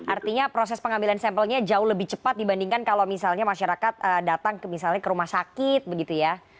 artinya proses pengambilan sampelnya jauh lebih cepat dibandingkan kalau misalnya masyarakat datang ke misalnya ke rumah sakit begitu ya